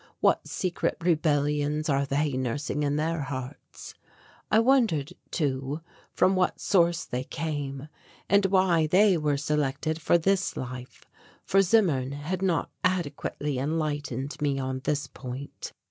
What secret rebellions are they nursing in their hearts? I wondered, too, from what source they came, and why they were selected for this life, for Zimmern had not adequately enlightened me on this point.